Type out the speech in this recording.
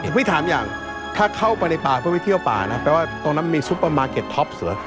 พี่ถามอย่างถ้าเข้าไปในป่าเพื่อไปเที่ยวป่านะแปลว่าตรงนั้นมีซุปเปอร์มาร์เก็ตท็อปเหรอ